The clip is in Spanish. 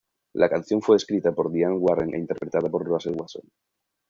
La canción fue escrita por Diane Warren e interpretada por Russell Watson.